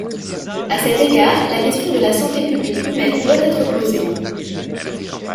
À cet égard, la question de la santé publique humaine doit être posée.